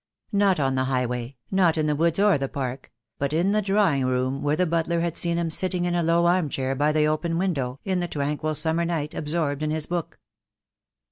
Not on the highway, not in the woods or the Park, but in the drawing room where the butler had seen him sitting in a low arm chair by the open window, in the tranquil summer night, absorbed in his book.